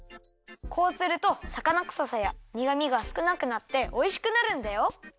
こうするとさかなくささやにがみがすくなくなっておいしくなるんだよ！